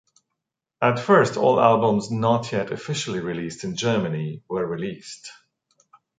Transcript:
At first, all albums not yet officially released in Germany were released.